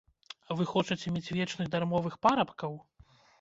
Вы хочаце мець вечных дармовых парабкаў?